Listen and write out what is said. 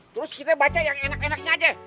terus kita baca yang enak enaknya aja